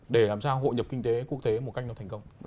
để làm sao hội nhập kinh tế quốc tế một cách nó thành công